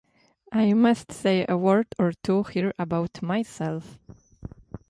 I must say a word or two here about myself.